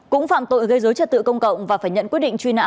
cũng phạm tội gây dối trật tự công cộng và phải nhận quyết định truy nã